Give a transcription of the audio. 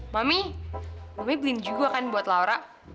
mami mami belin juga kan buat laura